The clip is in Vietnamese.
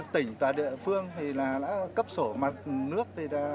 tỉnh và địa phương đã cấp sổ mặt nước